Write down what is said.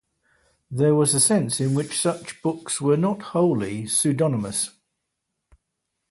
There was a sense in which such books were not wholly pseudonymous.